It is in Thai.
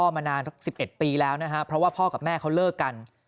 มานานสิบเอ็ดปีแล้วนะฮะเพราะว่าพ่อกับแม่เขาเลิกกัน